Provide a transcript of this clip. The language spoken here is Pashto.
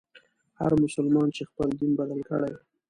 هر مسلمان چي خپل دین بدل کړي.